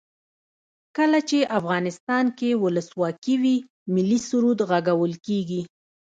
کله چې افغانستان کې ولسواکي وي ملي سرود غږول کیږي.